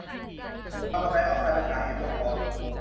คาร์บอนไดออกไซด์เป็นสาเหตุโลกร้อน